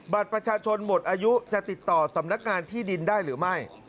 บัตรประชาชนหมดอายุจะติดต่อสำนักงานที่ดินได้หรือไม่